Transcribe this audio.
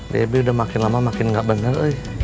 bebek udah makin lama makin gak bener